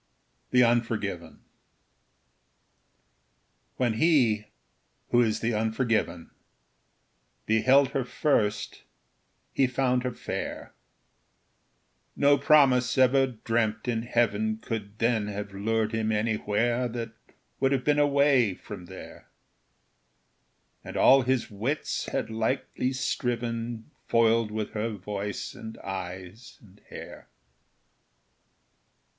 The Unforgiven When he, who is the unforgiven, Beheld her first, he found her fair: No promise ever dreamt in heaven Could then have lured him anywhere That would have been away from there; And all his wits had lightly striven, Foiled with her voice, and eyes, and hair.